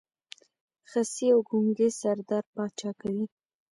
خصي او ګونګی سردار پاچا کوي.